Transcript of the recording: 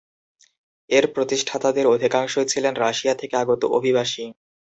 এর প্রতিষ্ঠাতাদের অধিকাংশই ছিলেন রাশিয়া থেকে আগত অভিবাসী।